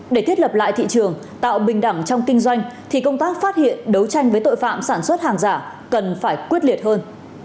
để thiết lập lại thị trường tạo bình đẳng trong kinh doanh thì công tác phát hiện đấu tranh với tội phạm sản xuất hàng giả cần phải quyết liệt hơn